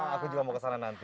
aku juga mau kesana nanti